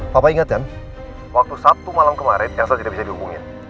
papa inget kan waktu satu malam kemarin elsa tidak bisa dihubungin